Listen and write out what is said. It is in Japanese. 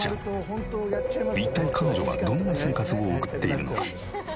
一体彼女はどんな生活を送っているのか？